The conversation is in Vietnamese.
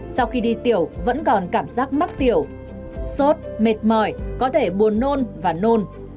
sau khi đi tiểu vẫn còn cảm giác mắc tiểu sốt mệt mỏi có thể buồn nôn và nôn